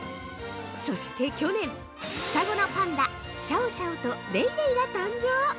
そして去年、双子のパンダシャオシャオとレイレイが誕生！